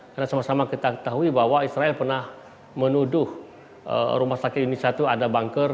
karena sama sama kita tahu bahwa israel pernah menuduh rumah sakit indonesia itu ada bangker